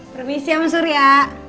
permisi mas surya